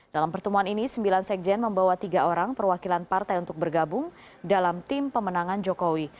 dalam pertemuan ini sembilan sekjen membawa tiga orang perwakilan partai untuk bergabung dalam tim pemenangan jokowi